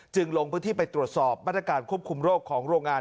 ลงพื้นที่ไปตรวจสอบมาตรการควบคุมโรคของโรงงาน